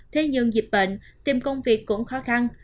thế nhưng dịch bệnh tìm công việc cũng khó khăn